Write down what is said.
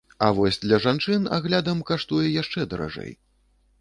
А вось для жанчын аглядам каштуе яшчэ даражэй.